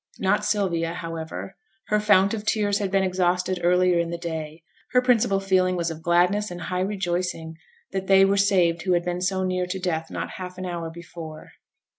Not Sylvia, however; her fount of tears had been exhausted earlier in the day: her principal feeling was of gladness and high rejoicing that they were saved who had been so near to death not half an hour before.